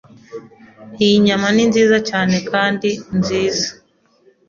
Iyi nyama ni nziza cyane kandi nziza.